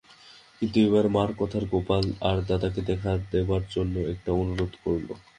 কিন্তু এবার মার কথামত গোপাল তার দাদাকে দেখা দেবার জন্য একান্ত অনুরোধ করল।